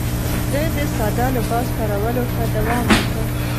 ده د ساده لباس کارولو ته دوام ورکړ.